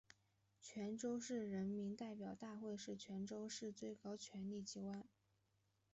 泉州市人民代表大会是泉州市的最高权力机关。